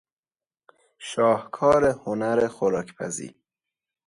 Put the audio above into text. شاهکار هنر خوراکپزی